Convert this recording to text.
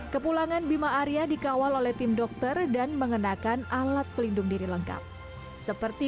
kepulangan bima arya dikawal oleh tim dokter dan mengenakan alat pelindung diri lengkap seperti